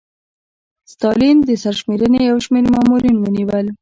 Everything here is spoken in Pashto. ستالین د سرشمېرنې یو شمېر مامورین ونیول